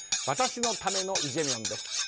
私のためのイ・ジェミョンです